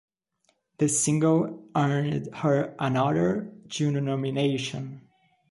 The single earned her another Juno nomination.